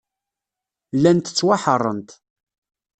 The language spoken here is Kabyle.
Llant ttwaḥeṛṛent.